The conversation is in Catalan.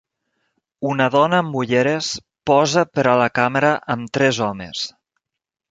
Una dona amb ulleres posa per a la càmera amb tres homes.